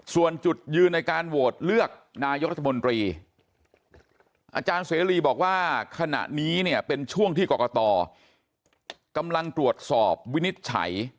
ส่วนจุดยืนในการโหวตเลือกนายกรัฐมนตรีอาจารย์เสรีบอกว่าขณะนี้เนี่ยเป็นช่วงที่กรกตกำลังตรวจสอบวินิจฉัย